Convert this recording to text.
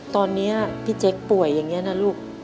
ตอนนี้พี่เจ๊กป่วยอย่างนี้นะลูก